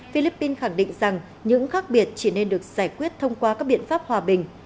philippines khẳng định rằng những khác biệt chỉ nên được giải quyết thông qua các biện pháp hòa bình